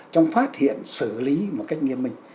trong phát hiện xử lý một cách nghiêm mình